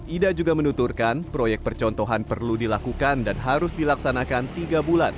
ida juga menuturkan proyek percontohan perlu dilakukan dan harus dilaksanakan tiga bulan